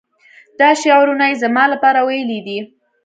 دا شعرونه یې زما لپاره ویلي دي.